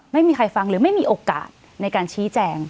ไม่มีใครฟังหรือไม่มีโอกาสในการชี้แจง